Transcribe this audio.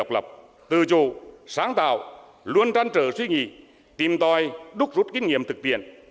luôn trăn trở suy nghĩ tìm tòi đúc rút kinh nghiệm thực tiện